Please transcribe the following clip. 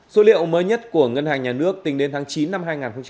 số liệu mới nhất của ngân hàng nhà nước tính đến tháng chín năm hai nghìn hai mươi ba